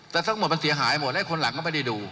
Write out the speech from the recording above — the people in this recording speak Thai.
แต่ทั้งหมดมันเสียหายหมดแล้วคนหลังก็ไม่ได้ดู